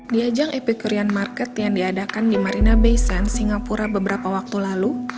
di ajang epic korean market yang diadakan di marina bay sands singapura beberapa waktu lalu